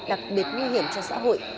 đặc biệt nguy hiểm cho xã hội